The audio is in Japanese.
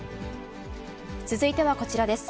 続いてはこちらです。